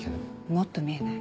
もっと見えない。